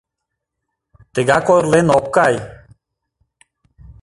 Тегак ойырлен ок кай?